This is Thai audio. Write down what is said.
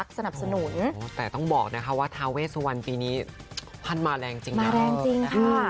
ปั่งจะมีความรักสนับสนุน